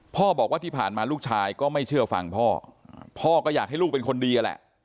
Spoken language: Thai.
พ่อบอกว่าที่ผ่านมาลูกชายก็ไม่เชื่อฟังพ่อพ่อก็อยากให้ลูกเป็นคนดีนั่นแหละ